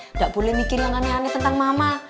tidak boleh mikir yang aneh aneh tentang mama